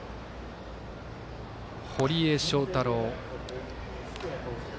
堀江正太郎。